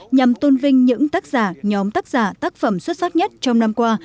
nhằm tôn vinh những tác giả nhóm tác giả tác phẩm xuất sắc nhất trong năm qua